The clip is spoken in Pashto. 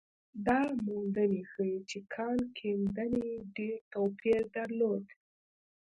دا موندنې ښيي چې کان کیندنې ډېر توپیر درلود.